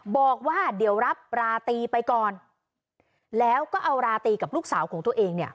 บอกว่าเดี๋ยวรับราตรีไปก่อนแล้วก็เอาราตรีกับลูกสาวของตัวเองเนี่ย